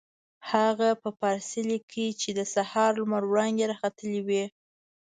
هغه په فارسي لیکلي چې د سهار لمر وړانګې را ختلې وې.